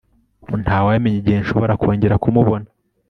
Ntawamenya igihe nshobora kongera kumubona